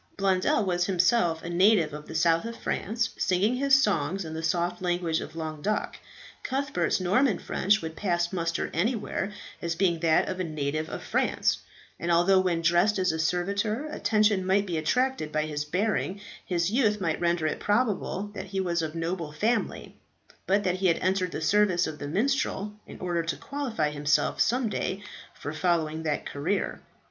Blondel was himself a native of the south of France, singing his songs in the soft language of Languedoc. Cuthbert's Norman French would pass muster anywhere as being that of a native of France; and although when dressed as a servitor attention might be attracted by his bearing, his youth might render it probable that he was of noble family, but that he had entered the service of the minstrel in order to qualify himself some day for following that career.